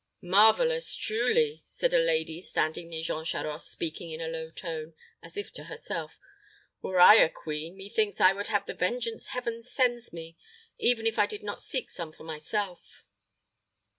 "Marvelous, truly!" said a lady standing near Jean Charost, speaking in a low tone, as if to herself. "Were I a queen, methinks I would have the vengeance Heaven sends me, even if I did not seek some for myself."